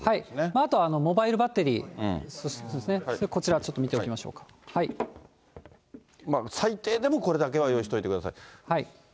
あとはモバイルバッテリーですね、こちら、ちょっと見ておき最低でも、これだけは用意しておいてください。